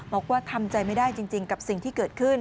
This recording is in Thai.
บอกว่าทำใจไม่ได้จริงกับสิ่งที่เกิดขึ้น